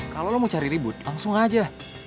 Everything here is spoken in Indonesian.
kalau lo mau cari ribut langsung aja